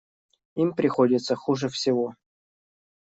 Им приходится хуже всего.